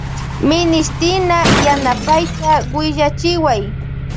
Minishtina yanapayta willachiway.